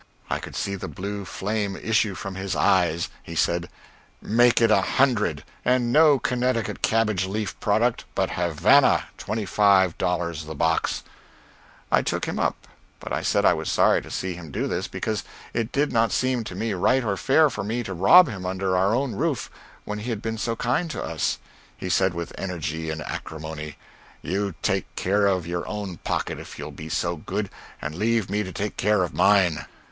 I could see the blue flame issue from his eyes. He said, "Make it a hundred! and no Connecticut cabbage leaf product, but Havana, $25 the box!" I took him up, but said I was sorry to see him do this, because it did not seem to me right or fair for me to rob him under our own roof, when he had been so kind to us. He said, with energy and acrimony: "You take care of your own pocket, if you'll be so good, and leave me to take care of mine."